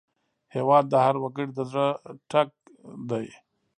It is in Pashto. هېواد د هر وګړي د زړه ټک دی.